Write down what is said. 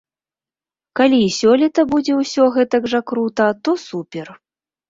Калі і сёлета будзе ўсё гэтак жа крута, то супер.